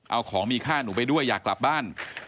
เอาของมีค่าหนูไปด้วยอยากกลับบ้าน